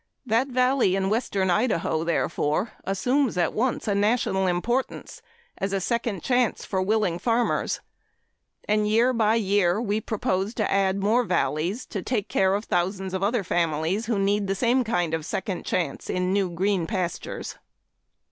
That valley in western Idaho, therefore, assumes at once a national importance as a second chance for willing farmers. And, year by year, we propose to add more valleys to take care of thousands of other families who need the same kind of second chance in new green pastures.